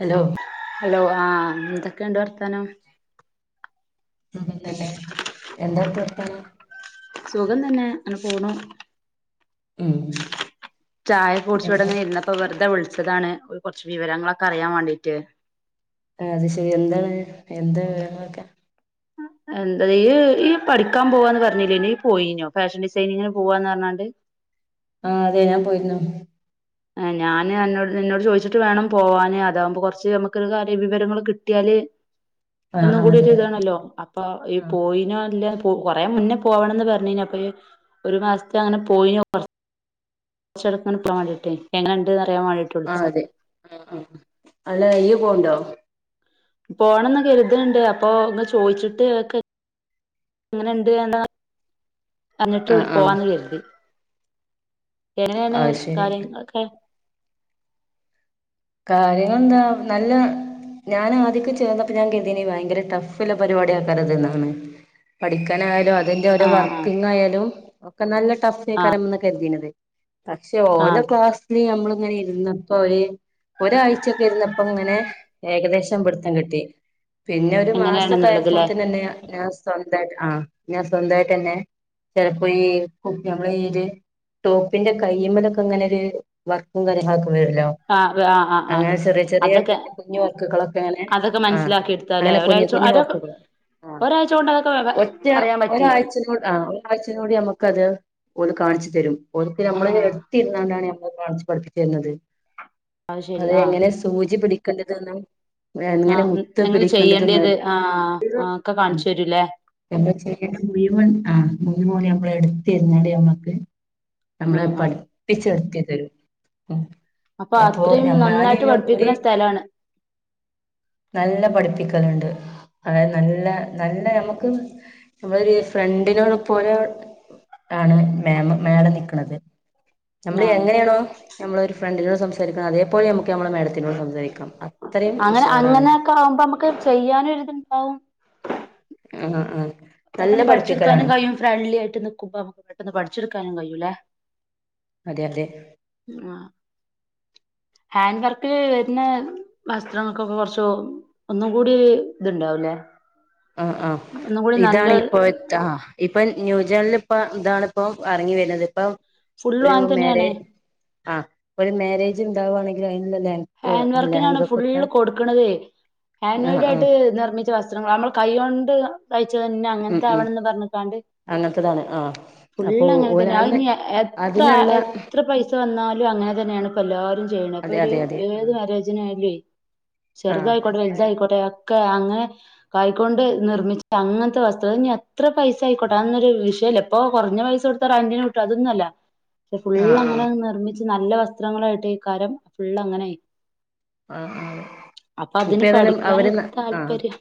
Hello hello ആ എന്തൊക്കെയുണ്ട് വർത്താനം ഉം തന്നെ എന്താത്ത് തന്നെ സുഖം തന്നെ അങ്ങ് പോണു മ് ചായ കുടിച്ചുവിടെങ്ങനെ ഇരുന്നപ്പം വെുതെ വിളി ച്ച്താണ് ഒര് കൊറച്ച് വിവരങ്ങളൊക്കെ അറിയാൻ വേണ്ടിട്ട് അത് ശരി എന്താണ് എന്താ വിവരങ്ങളൊക്കെ എന്താ ഈ പഠിക്കാൻ പോവാന്ന് പറഞ്ഞില്ലേ ഈ പോയിഞ്ഞോ ഫാഷൻ ഡിസൈനിങ്ങിന് പോവാന്ന് പറഞ്ഞാണ്ട് ആഹ അതെ ഞാൻ പോയിരുന്നു ആ ഞാൻ അന്നോട് നിന്നോട് ചോദിച്ചിട്ട് വേണം പോവാന് അതാകുമ്പോ കൊറച്ച് നമുക്കൊരു കാര്യ വിവരങ്ങള് കിട്ടിയാല് ആഹ് ഒന്നും ആഹ് കൂടി അതെ ഒരു അതെ ഇതാണല്ലോ അപ്പൊ ഈ ആഹ് പോയിനോ അല്ലെ കൊ കൊറേ മുന്നേ പോവണന്ന് പറഞ്ഞിനി അപ്പഴ് ഒരു മാസത്തെ അങ്ങനെ പോയി [unintelligible] [unintelligible] എങ്ങനണ്ട് അ ആ അതെ ആ ആ അല്ല ഈയും പോവുണ്ടോ പോണംന്ന് കരുത്ണ്ട് അപ്പൊ ഇങ്ങ് ചോയിച്ചിട്ട് ഒക്കെ അങ്ങനെണ്ട് [unintelligible] അന്നിട്ട് ആഹ് ആഹ് പോവാന്ന് കരുതി എങ്ങനെയാണ് അത് ശരി കാര്യങ്ങളൊക്കെ കാര്യങ്ങൾ എന്താ നല്ല ഞാൻ ആദ്യക്ക ചേർന്നപ്പ ഞാൻ കരുതീനി ഭയങ്കര ടഫ്ല്ല്ല പരിവാടി ആക്കാറത് എന്നാണ് പഠിക്കാനായാലും അ അതിന്റെ ഓരോ ആഹ് ആഹ് വർക്കിങ് ആയാലും ഒക്കെ നല്ല ആഹ് ടഫ്അയിക്കാരം ന്നാ കരുതീനത് പക്ഷേ ഓലെ ആഹ് ക്ലാസ്സില് നമ്മള് അങ്ങനെ ഇരുന്നപ്പോര് ഒരാഴ്ചൊക്കെ ഇരുന്നപ്പം ഇങ്ങനെ ഏകദേശം പിടുത്തം കിട്ടി പിന്നെ ഒരു മാസക്കായപ്പോ എങ്ങനെയാണെന്നുള്ളത്ല്ലേ തിനെന്നെ ഞാൻ ഉസ് സ്വന്തായിട്ട് ആ ഞാൻ സ്വന്തമായിട്ടെന്നെ ചെലപ്പോ ഈ കുപ്പി ഞമ്മള ഈ ഒരു ടോപ്പിന്റെ കയ്മലൊക്കെ ങ്ങനെ ഒരു വർക്കും കാര്യങ്ങൾക്ക് [unintelligible] ആഹ് ആഹ് ആഹ് ആഹ് അങ്ങനെ ചെറിയ ചെറിയ അതൊക്കെ കുഞ്ഞു കുഞ്ഞു വർക്കുകളൊക്കെ അങ്ങനെ അതൊക്കെ മനസ്സിലാക്കി എടുത്താലേ അങ്ങനെ കുഞ്ഞു ഒരാഴ്ച കുഞ്ഞു അതൊക്കെ വർക്കുകൾ ഒരാഴ്ച കൊണ്ട് അതൊക്കെ ഒറ്റ അറിയാൻ പറ്റി ഒരാഴ്ചോട് ആ ഒരാഴ്ചനോട് നമ്മുക്ക് അത് പോല കാണിച്ചു തരും ഓര്ക്ക് നമ്മള് ആഹ് എടുത്തിരുന്നാണ്ടാണ് ഓ കാണിച്ച് പഠിപ്പിച്ചരുന്നത് ശരി അത് ആഹ് എങ്ങനെ സൂചി പിടി ക്കണ്ടതെന്ന് എങ്ങനെ ആഹ് മുത്ത് എങ്ങനെ ചെയ്യേണ്ടത് പിടിക്കേണ്ടതന്നല്ലാം ആഹ് ആഹ് ഒക്കെ കാണിച്ചു തരൂല്ലേ എന്താ ചെയ്യേണ്ടത് മുയുവൻ [unintelligible] നമ്മളെ എടുത്തിരിന്നാണ്ട് ഞമ്മക്ക് നമ്മളെ ഉം ഉം പഠിപ്പിച്ചെടുത്തരും തരും അപ്പൊ ഓ അത്രയും നമ്മ ഞാൻ നന്നായിട്ട് [unintelligible] ഒര് പഠിപ്പിക്കണ സ്ഥലാണ് നല്ല പഠിപ്പിക്ക ണ്ട് അതെ നല്ല നല്ല നമ്മക്ക് ക്ക് നമ്മളൊരു ഫ്രണ്ടിനോട് പോലെ ആണ് മാം മാഡം നിക്കണത് നമ്മള് ആഹ് എങ്ങനെയാണോ നമ്മള ഒരു ഫ്രണ്ടിനെ ക്കര് [unintelligible] അതേപൊലെ നമക്ക് ക്ക് നമ്മളെ മേഡത്തിനോട് സംസാരിക്കാം അത്രയും അങ്ങനെ ഉഷാറാണ് അങ്ങനെയൊക്കെ ആകുമ്പോ നമുക്ക് ചെയ്യാനും ഒരിതുണ്ടാവും ആഹാ ആഹ് പെട്ടെന്ന് പഠിച്ചെടുക്കാനും കൈയും ഫ്രണ്ട്ലി ആയ്ട്ട് നിക്കുമ്പോ നമുക്ക് പെട്ടന്ന് പഠി [unintelligible] ട്ക്കാനും കയ്യൂലേ അതെ അതെ ഹാൻഡ് വർക്കില് വരുന്ന വസ്ത്രങ്ങൾക്കൊക്കെ കുറച്ചു ഒന്നും കൂടി ഒര് ഇതുണ്ടാവൂല്ലേ ആ ആ ഇതാണ് ഇപ്പൊ ത്ത ഇപ്പൊ ന്യൂജനിലിപ്പ ഇപ്പ ഇതാണ ഇപ്പ ഇറങ്ങി വരുന്നത് ഇപ്പം ഫുള്ളും ഒരു അങ്ങനെ മേരെ തന്നെയാണ് ആ ഒരു മാനേജ് ഉണ്ടാവുവാണെങ്ക ഹാൻഡ് വർക്കിനാണ് ഫുള്ള് കൊടുക്കണത് ഹാൻഡ് ആഹ് വർക്ക് ആഹ് ആയിട്ട് നിർമ്മിച്ച വസ്ത്രങ്ങൾഅ നമ്മൾ കൈയോണ്ട് തൈച്ചന്നെ ഉം അങ്ങനത്തെ ഉം ആവണമെന്ന് പറഞ്ഞക്കാണ്ട് അങ്ങനത്തതാണ് ആഹ് അപ്പൊ ഫുുള്ള അങ്ങനെ ഓല് അയിന് തന്നെ എത്ര അതിനുള്ള എത്ര പൈസ വന്നാലും അങ്ങനെ തന്നെയാണ് ഇപ്പ എല്ലാരും ചെയ്യണ ഇപ്പൊ അതെ ഒരു അതെ അതെ ഏത് ആഹ് മാരേജിനായാലെ ആഹ് ചെറുതായിക്കോട്ടെ ആഹ് വലുതായിക്കോട്ടെ കെ അങ്ങനെ കായിക്കൊണ്ട് നിർമിച്ച അങ്ങനത്തെ വസ്ത്രം അ അത്ര പൈസ ആയിക്കോട്ടെ അന്നൊരു വിഷയമല്ല ഇപ്പൊ കുറഞ്ഞ പൈസ കൊടുത്താൽ റെറ്റിന്ന് കിട്ടും അതൊന്നുമല്ല ഫുള്ള അങ്ങനെ ആഹ് നിർമ്മിച്ച നല്ല വസ്ത്രങ്ങളായിട്ട് ഏക്കാരം ഫുൾ അങ്ങനെ ആ ആ അപ്പൊ ഇപ്പോ അതിന് ഏതാലും അവര് പഠിക്കാനൊരു ആ താല്പര്യം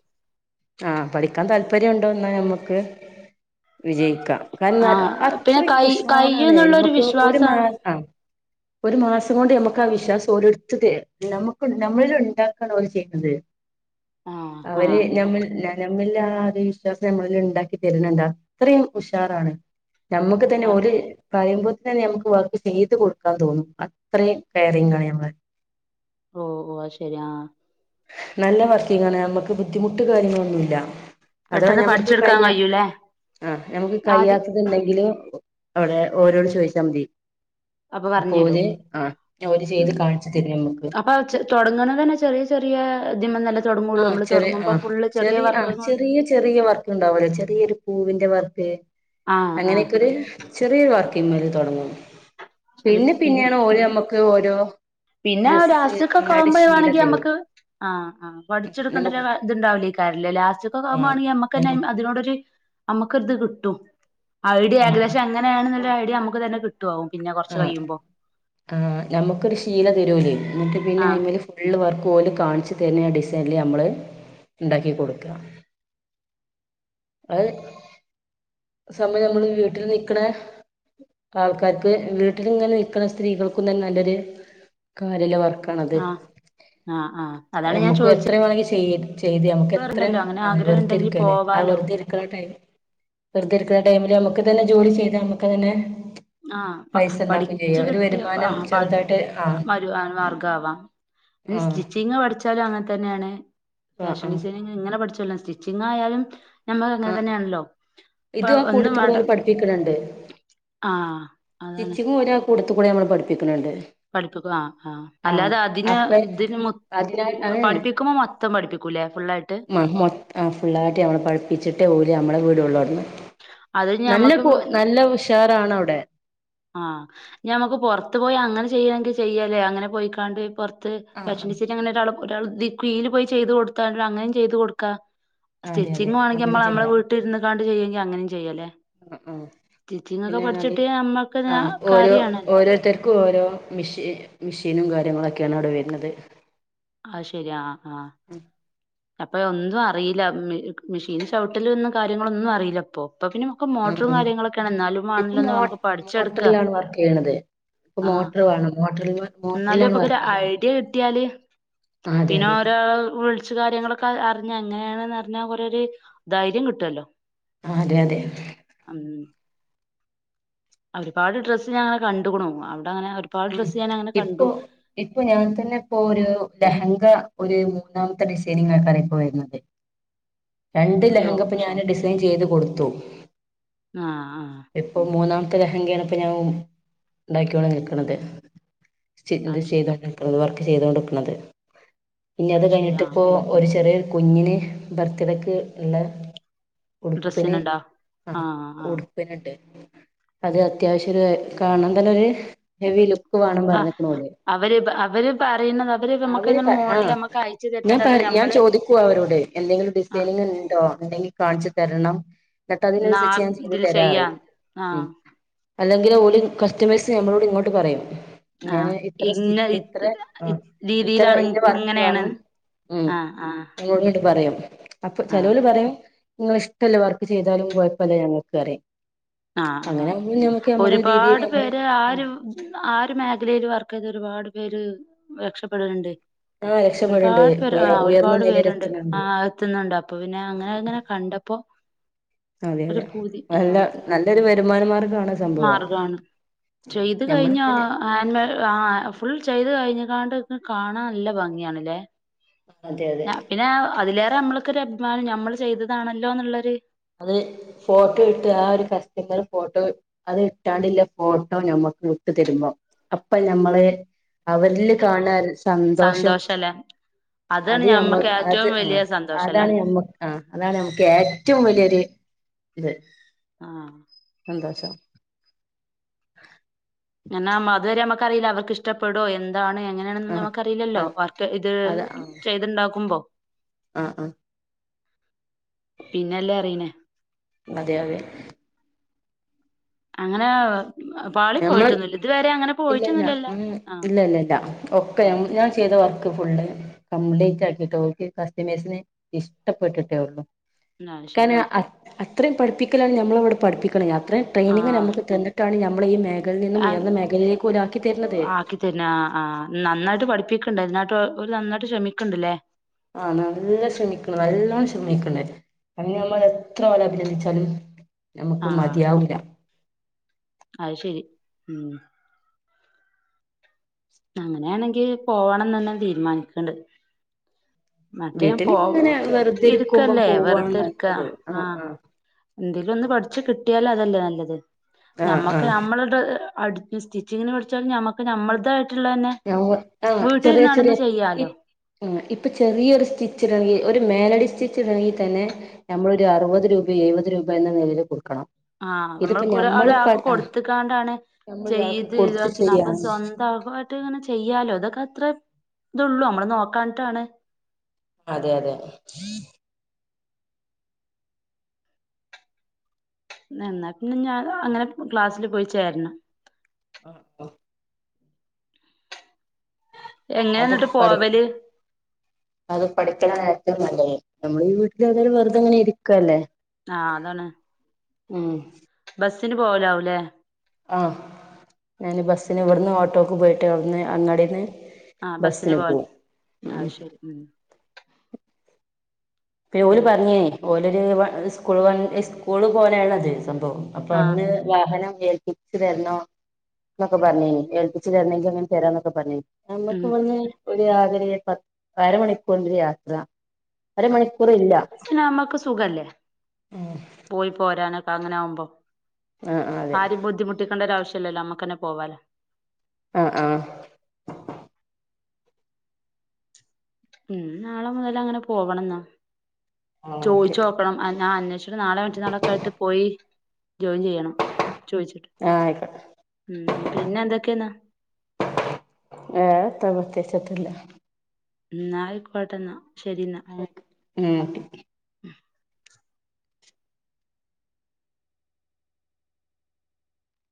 ആപഠിക്കാൻ താല്പര്യം ഉണ്ടോ എന്നാ നമ്മക്ക് ക്ക് ആ വിജയിക്കാകാരണം പിന്നെ അത്രം കൈ ഉഷാറാണ് കയ്യുന്നുള്ളൊരു നമുക്ക് ഒരു മാ വിശ്വാസം ആ ഒരു മാസം കൊണ്ട് നമ്മക്ക് വിശ്വാസം ഓരോ രത്തര് നമുക്ക് നമ്മളിൽ ഉണ്ടാക്കണഓല് ചെയ്യുന്നത് ആ അവര് ആ നമ്മൾ ന ല്ലാ ആ വിശ്വാസം നമ്മളിൽ ഉണ്ടാക്കി തരണണ്ടാ അത്രയും ഉഷാറാണ് നമുക്ക് തന്നെഓര് പറയുമ്പോത്തന്നെ നമ്മക്ക് വർക്ക് ചെയ്ത് കൊടുക്കാൻ തോന്നും അത്രയും ക്യാറിങ്ങാണ് നമ്മൾ ഓ ഓ അത്ശരിയാ നല്ല വർക്കിംഗ്‌ണ് നമ്മുക്ക് ബുദ്ധിമുട്ട് കാര്യങ്ങളൊന്നുല്ല അഥവാ പെട്ടെന്ന് ഞമ്മുക്ക് പഠിച്ചെടുക്കാൻ കയ്യാ കഴിയൂല്ലേ ആ ഞമ്മുക്ക് ആദ്യം കയ്യാത്തതുണ്ടങ്കിൽ അവിടെ ഓരോര് ചോദിച്ചാൽ മതി അപ്പൊ പറഞ്ഞു തരൂ ഓര് ആ ഓര് ഉ ചെയ്ത് കാണിച്ചു തരും നമ്മുക്ക് അപ്പൊ തുടങ്ങണതെന്നെ ചെറിയ ചെറിയതിമല്ലേ ആ ചെറിയ ആ ചെറിയ ആ വർക്കുകൾ ചെറിയ ചെറിയ വർക് ഉണ്ടാവലേ ചെറിയൊരു പൂവ് വർക്ക് ആഹ് ആഹ് അങ്ങനെയൊക്കൊഒരു ചെറിയൊരു വാർക്കിന്മേൽ തുടങ്ങും പിന്നെ പിന്നെയാണ് ഓര് നമ്മക്ക് ഇത് ഓരോ പിന്നെ ആഒരു ഡ്രസ്സ് ഒന്നായിട്ട് അസുഖക്കാവുമ്പോ ശീല വേണെങ്കിൽ തരും നമ്മുക്ക് ആ ആ ഉം, പഠിച്ചെടുക്കണ്ടല്ലോ നമുക്ക് ഇതുണ്ടാവില്ലേയ്‌ക്കാരല്ലേ ആഹ് ലാസ്റ്റ്ക്കൊക്കാഉമ്പോണങ്കി നമ്മക്കന്നെ നമ്മ അ യി അതിനോടൊരു നമ്മുക്ക്‌ത് കിട്ടും ഐഡിയ ഏകദേശം എങ്ങനെയാണ്ന്ന്ള്ള ഐഡിയ നമുക്ക് തന്നെ കി ആ ആ നമുക്കൊരു ശ് തീല തെരോല് ന്നട്ട് പിന്നെ ആഹ് അയിമ്മല് ഫുള്ള് വർ കോല് കാണിച് തര്നെ ഡിസൈൻല് അമ്മള് ഇണ്ടാക്കികൊടുക്ക അഹ് സമയമ്മള് വീട്ടിൽ നിക്ണ ആൾക്കാർക്ക് വീട്ടിലിങ്ങന നിക്ണ സ്ത്രീകൾക്കും തന്നെ നല്ലൊരു കാര്യല്ലേ വർ ക്കണത് ആഹ് ആഹ് ആഹ് അതാണ് ഞാൻ എമ്മുക്ക്‌ ചോദിച്ചത് എത്ര വേണങ്കി ചീ ചെയ്ത് നമുക്ക് എത്രയും വേറെണ്ടല്ലോ അങ്ങനെ അ ആഗ്രഹം ഉണ്ടെങ്കി വെറുതെരിക്കല്ലേ ആ പോവാലോ വെറുതെ ഇരിക്ണ ടൈം വെറുതെയിരിക്കുന്ന ടൈമിലും നമുക്ക് തന്നെ ജോലി ചെയ്ത് നമുക്ക് തന്നെ. ആഹ് പ പൈസ ഉണ്ടാക്കുകയും പഠിച്ചു ചെയ്യാം ഒരു കിട്ടിയപ്പോ വരുമാനം പ ചെറുതായിട്ട് ആഹ് വരുമാനമാർഗം ആവാം, ആഹ് സ്റ്റിച്ചിങ് പഠിച്ചാലും അങ്ങനത്തെ. തന്നെയാണ് ആഹ് ഫാഷൻ ആഹ് ഡിസൈനിങ് ഇങ്ങനെ പഠിച്ചാ. സ്റ്റിച്ചിങ് ആയാലും. ഞമ്മക്ക് അങ്ങനെ ആഹ് തന്നെയാണല്ലോ ഇപ്പ ഇത് ആ ഒന്നും വേണ്ട കൂട്ടത്തിലുള്ളവരെ പഠിപ്പിക്കുന്നുണ്ട്. ആഹ് അതാണ് സ്റ്റിച്ചിങ്ങും ഒരു [unintelligible] കൂടെ നമ്മ പഠിപ്പിക്കും പഠിപ്പിക്കും ആഹ് ആഹ് അല്ലാതെ അതിന് ഇതിന് മു പഠിപ്പിക്കുമ്പോ മൊത്തം പഠിപ്പിക്കൂലേ ഫുള്ളായിട്ട് [unintelligible] ഫുള്ളായിട്ട് നമ്മൾ പഴിപ്പിച്ചിട്ട് [unintelligible] അത് നല്ല ഞമ്മക്ക് കു നല്ല ഉഷാറാണ് അവിടെ ആഹ് ഞമ്മക്ക് പുറത്തു പോയിൽ അങ്ങനെ ചെയ്യായെങ്കിൽ ചെയ്യാല്ലേ, അങ്ങനെ പോയിക്കാണ്ട് ഇപ്പൊ. തും ആഹ് വിഷമിച്ച് നിൽക്കുന്നവരോടും. ഒരാൾ ദി കീഴില് പോയി ചെയ്ത് കൊടുത്താൽ അങ്ങനെയും ചെയ്തു കൊടുക്കാ ആഹ് അതെ അതെ സ്റ്റിച്ചിങ്ങ് ആണെങ്കിൽ അങ്ങനെ നമ്മ നമ്മെടെ വീട്ടിലിരുന്ന് ക [unintelligible] അങ്ങനെയും ചെയ്യാല്ലേ. ആ, ആ പിന്നാണേല് നമ്മക്ക് ആ ഓരോ കാര്യാണല്ലോ ഓരോരുത്തർക്കും ഓരോ മിഷി മെഷീനും കാര്യങ്ങളൊക്കെ [unintelligible] അവിടെ വരുന്നത് അത് ശരിയാ, ആ, ആ ഉം അപ്പൊ ഒന്നും അറിയില്ല, മ മെഷീന് ചവിട്ടല് ഒന്നും കാര്യങ്ങളൊന്നും അറിയില്ല അപ്പോ. ഇപ്പൊ പിന്നെ നമുക്ക് മോട്ടറും ഉം കാര്യങ്ങളൊക്കെയാണ്, എന്നാലും ഇപ്പൊ വാണില്ല മോ നമുക്ക് പഠിച്ചെടുക്ക. മോട്ടറിലാണ് വർക്ക് ചെയ്യണത് ഇപ്പൊ ആ മോട്ടർ വേണം മോട്ടറിൽ എന്നാലും മോട്ടറിലാണ് ഇപ്പൊക്കെ ഒരു വർക്ക് ചെയ്യുന്നത് ഐഡിയ കിട്ടിയാല് ആഹ് അതെ പിന്നെ അതെ ഒരാള് കുറച്ച്, കാര്യങ്ങളൊക്കെ അറിഞ്ഞ എങ്ങനെയാണെന്ന് അറിഞ്ഞാൽ കുറെ ഒരു ധൈര്യം കിട്ടല്ലോ ആഹ് അതെ അതെ ഒരുപാട് ഡ്രസ്സ് ഞാനങ്ങനെ കണ്ടു കുണു ഉം, ഇപ്പൊ, ഇപ്പൊ ഞാൻ തന്നെ ഇപ്പോ ഒരു ലഹങ്ക ഒരു മൂന്നാമത്തെ ഡിസൈനിങ്ങ് ആൾക്കാരാ ഇപ്പോ വരുന്നത്. രണ്ട് അയ്യോ ലഹങ്ക ഇപ്പൊ ഞാന് ശരി ഡിസൈൻ ചെയ്ത് കൊടുത്തു. ആഹ് ആഹ് ഇപ്പൊ മൂന്നാം അ ലഹങ്കാണ് ഇപ്പോ ഞാൻ ഉണ്ടാക്കിക്കോണ്ട് നിൽക്കണത്. അത് [unintelligible] ശരി ചെയ്ത് കൊടുക്കണത് പിന്നെ അത് ശരി കഴിഞ്ഞിട്ട് ആഹ് ഇപ്പോ ഒരു ചെറിയ കുഞ്ഞിന് ബർത്ത്ഡേക്ക് ഉള്ള ഉടുപ്പിന് ഡ്രസ്സിനുണ്ടോ ആ ആഹ് ഉ ആഹ് അത് അത്യാവശ്യം ഒരു കാണൻ തന്നെ ഒരു ഹെവി വേണം ആഹ് പറഞ്ഞ്ക്ക്ണ് ഓര് അവര് അവര് പറയുന്നത് നമുക്ക് അവര് അങ്ങനെ പറ മോഡൽ ആഹ് നമ്മുക്ക് അയച്ചു ഞാൻ തരുന്നത് അത് പറ ഞാൻ ഞമ്മള് ചോദിക്കുവ അവരോട് എന്തെങ്കിലും ആ ഡിസൈനിങ് ഇണ്ടോ ഇണ്ടെങ്കിൽ കാണിച്ചു തരണം എന്നിട്ട് അതിനനുസരിച്ച് ഞാൻ ചെയ് ചെയ്യാൻ ആഹ്. അല്ലെങ്കിൽ ഓലി കസ്റ്റമേഴ്സ് മ്മളോട് ഇങ്ങോട്ട് പറയും. ആ ങ്ങനെ ഇത്ര സ്റ്റി ഇന്ന ഇത്ര ഇത് ആ ഇത് ഇത്ര രീതിയിലാണ് ഇന്ന് വർക്ക് ഇങ്ങനെയാണ് വേണം ഉം ആ ആ ങ്ങളോട് പറയും അപ്പൊ ആ ചെലോരു പറയും ങ്ങള് ഇഷ്ടല്ല വർക്ക് ചെയ്താലും കുയപ്പമില്ല ഞങ്ങ [unintelligible] ആഹ് ആഹ് രീതിയിൽ ഒരുപാട് നമ്മള് പേര് ആ ഒരു ആ ഒരു മേഖലയില് വർക്ക് ചെയ്ത് ഒരുപാട് പേര് രക്ഷപ്പെടലണ്ട്. ആഹ് രക്ഷപ്പെടണ്ട് ഒരുപാട് പേര് ഉയ ആഹ് ഉയർന്ന ഒരുപാട് നിലയിൽ പേരുണ്ട് എത്തുന്നുണ്ട് ആഹ് ത്തുന്നുണ്ട് അപ്പൊ പിന്നെ അങ്ങനെ അങ്ങനെ കണ്ടപ്പോ അതെ ഒരു അതെ പൂതി ആ നല്ല നല്ലൊരു വരുമാന മാർഗമാണ് സംഭവം മാർഗണ് ചെയ്ത് കഴിഞ്ഞ ഞമ്മളിങ്ങനെ ആൻ ആഹ് ഫുൾ ചെയ്ത് കഴി [unintelligible] കാണാൻ നല്ല ഭംഗിയാണല്ലേ അതെ അതെ [unintelligible] പിന്നെ അതിലേ മ്മൾക്ക് ഒരു അഭിമാനം ഞമ്മൾ ചെയ്തണല്ലോ എന്നുള്ളൊരു അത് ഫോട്ടോ ഇട്ട് ആഹ് ഒരു കസ്റ്റമർ ഫോട്ടോ അത് ഇട്ടാണ്ടില്ല ഫോട്ടോ ഞമ്മക്ക് വിട്ടു തരുമ്പോ അപ്പൊ ഞമ്മള് അവരില് കാണാൻ സന്തോഷം സന്തോഷല്ലേ അതാണ് അത് മ്മൾ ഞമ്മക്ക് അത് ഏറ്റവും വലിയ ആഹ് സന്തോഷല്ലേ അതാണ് നമ്മ ആഹ് അതാണ് മ്മക്ക് ഏ റ്റവും വലിയൊരു ഇത്. ആ സന്തോഷം. [unintelligible] അതുവരെ നമ്മുക്കറിയില്ല അവർക്ക് ഇഷ്ടപ്പെടോ എ അതാണ് എങ്ങനെയാണന്ന് ആ നമുക്കറിയില്ലല്ലോ അത് വർക്ക് ഇത് ചെയ്ത്ണ്ടാക്കുമ്പം അ അ പിന്നെല്ലേ അറിയ്നേ അതെ അതെ അങ്ങനെ പാളി ഞമ്മൾ പോയിട്ടൊന്നുമില്ല ഇതുവരെ അങ്ങനെ ഇല്ലല്ല പോയിട്ടൊന്നുമില്ലല്ലോ ആ ഇല്ലല്ല ഇല്ല ആ ഒക്കെ ഞാൻ ചെയ്ത ഫുൾ കംപ്ലീറ്റ് ആക്കീട്ട് ഓൽക്ക് കസ്റ്റമേഴ്സിന് ഇഷ്ടപ്പെട്ടിട്ടേ ഉള്ളു. ന്നാ ശരി. കാരണം അ- അത്രയും പഠിപ്പിക്കലാണ് ഞമ്മളവിടെ പഠിപ്പി അത്രേം ആ ട്രെയിനിങ് നമ്മക്ക് തന്നിട്ടാണ് നമ്മളി മേ ആ ആക്കി തര്നാ ആ നന്നായിട്ട് പഠിപ്പിക്ക നന്നായിട്ട് ഓര് നന്നായിട്ട് ശ്രമിക്ക്ണ്ട്ല്ലേ ആ നല്ല ശ്രമിക്ന് നല്ലോണം ശ്രമിക്ന് അതിന് നമ്മൾ എത്ര ഓലെ അഭിനന്ദിച്ചാലും ആ നമുക്ക് മതിയാവൂല്ല. അത് ശരി ഉം. അങ്ങനെയാണെങ്കി പോകണം തന്നെ തീരുമാനിക്ക്ണ്ട് മറ്റേ വീട്ടിൽ പോ ഇങ്ങനെ വെറുതെ ഇരിക്കുമ്പം ഇട്ക്കല്ലേ പോവാണ് വെറുതെര്ക്ക നല്ലത് ആ ആഹ് ആഹ് എന്തേലും ഒന്ന് പഠിച്ച് ട്ടിയാല് അതല്ലേ നല്ലത് ആഹ് ഞമ്മക്ക് ആഹ് നമ്മളുടെ അടുത്ത് സ്റ്റിച്ചിങ്ങിന് പഠിചാലും ഞമ്മക്ക് നമ്മളതായിട്ട് ഒ ആ ചെറിയ ചെറിയ ചെയ്യാലോ ആ ഇപ്പൊ ചെറിയൊരു സ്റ്റിച്ച് ഇണങ്കി ഒരു മേലഡി സ്റ്റിച്ച് ഇടണങ്കി തന്നെ നമ്മളൊരു അറുപത് രൂപ എഴുപത് രൂപ എന്ന നിലയിൽ കൊടുക്കണം ആ നമ്മൾ ഇതിപ്പോ ഞമ്മള് പ ഒരാൾക്ക് ആ കൊടുത്തക്കാണ്ടാണ് നമ്മൾ ഒരാൾക്ക് ചെയ്ത് കൊടുത്ത് ഇതാക്ക് അപ്പൊ ചെയ്യാണ് സ്വന്ത ഇങ്ങനെ ചെയ്യാലോ ഇതൊക്കെ അത്ര ഇതള്ളൂ നമ്മള് നോക്കാൻട്ടാണ് അതെ അതെ ന്നാ പിന്നെ ഞാനും അങ്ങനെ ക്ലാസ്സില് പോയി ചേരണം ആഹ ഓ എങ്ങനെ അത് എന്നിട്ട് പഠി പോവല് അത് പഠിക്ക്ണ് ഏറ്റവും നല്ലത് നമ്മള് ഈ വീട്ടില് ഏതായാലും വെറുതെങ്ങനെ ഇരിക്കുവ അല്ലേ ആ അതാണ് ഉം ബസിന് പോവോ രാവിലെ ആഹ് ഞാൻ ബസ്സിന് ഇവിടുന്ന് ഓട്ടോക്ക് പോയിട്ട് ഇവിടെന്ന് അങ്ങാടെന്ന് ആ ബസിന് പോലെ ആ ശരി ഉ പോല് പറഞ്ഞേ ഓരരു സ്കൂൾ സ്കൂള് പോലെയള്ളത് സംഭവം അപ്പൊ ആഹ് അന്ന് വാഹനം ഏൽപ്പച്ച് തരണ എന്നന്നൊക്കെ പറഞ്ഞി ഏൽപ്പിച്ചച്ച് തരണെങ്ക അങ്ങനെ തരാന്നൊക്കെ പറഞ്ഞ ഉം നമ്മുകിവുടുന്നു ഒരു രാത്രി പത്ത് അരമണിക്കൂല് യാത്ര അരമണി ക്ഷ നമ്മുക്ക് സുഖല്ലേ ആഹ് പോയി പോരാനൊക്കെ അപ്പൊ അങ്ങനൊവുമ്പോ ആഹ് അതെ ആരെയും ബുദ്ധിമുട്ടിക്കേണ്ടരവശ്യ ല്ലോ നമ്മക്കന്നെ പോവാലെ ആ ആ ഉം നാളെ മുതൽ അങ്ങനെ പോവണംന്നോ ആഹ് ഓക്കെ ചോയിച്ചു നോക്കണം ഞാൻ അന്വേഷിച്ചടെ നാളെ മറ്റന്നാളൊക്കെ ആട്ട് പോയി ജോയിൻ ചെയ്യണം ചോയിച്ചിട്ട് ആഹ് ആയിക്കോട്ടെ ഉം പിന്നെ എന്തൊക്കെയെന്നാ ഏ ത മത്തയാച്ചട്ടല്ല [unintelligible] ന്നായിക്കോട്ടെന്ന ശെരിന്നാ ആഹ് ഉം [unintelligible]